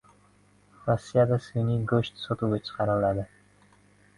Rossiyada sun’iy go‘sht sotuvga chiqariladi